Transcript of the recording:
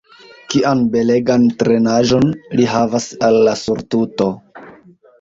Kian belegan trenaĵon li havas al la surtuto!